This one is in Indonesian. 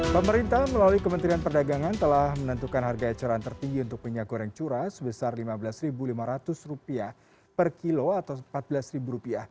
pemerintah melalui kementerian perdagangan telah menentukan harga eceran tertinggi untuk minyak goreng curah sebesar rp lima belas lima ratus per kilo atau rp empat belas